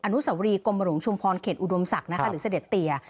อนุสวรีกรมหลวงชุมพรเขตอุดมศักดิ์นะคะหรือเสด็จเตีย